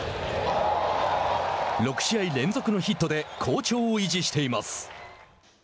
６試合連続のヒットで好調を維持しています。